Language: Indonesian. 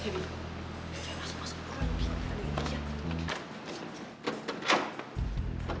coba masuk masuk dulu